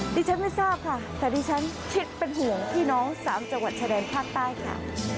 ดิฉันไม่ทราบค่ะแต่ดิฉันคิดเป็นห่วงพี่น้องสามจังหวัดชายแดนภาคใต้ค่ะ